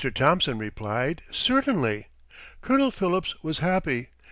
Thomson replied, "Certainly." Colonel Phillips was happy.